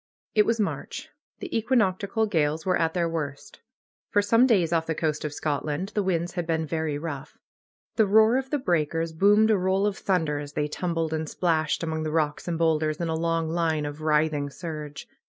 It was March. The equinoctial gales were at their worst. For some days off the coast of Scotland the winds had been very rough. The roar of the breakers boomed a roll of thunder as they tumbled and splashed among the rocks and boulders in a long line of writhing surge.